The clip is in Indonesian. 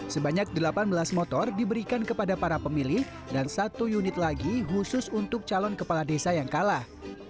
sebanyak delapan belas motor diberikan kepada para pemilih dan satu unit lagi khusus untuk calon kepala desa yang kalah